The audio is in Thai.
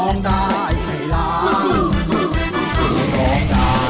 ร้องได้ให้ล้าน